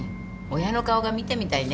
親の顔が見てみたいね